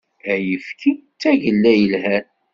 Ayekfi d tagella yelhan.